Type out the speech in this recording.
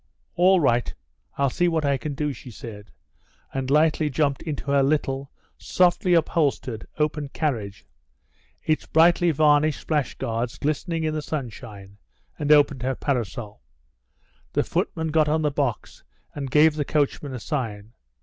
"All right; I'll see what I can do," she said, and lightly jumped into her little, softly upholstered, open carriage, its brightly varnished splash guards glistening in the sunshine, and opened her parasol. The footman got on the box and gave the coachman a sign.